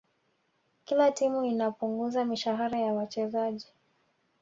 kila timu inapunguza mishahara ya wachezaji